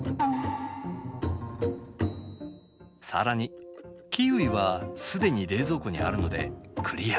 更にキウイは既に冷蔵庫にあるのでクリア。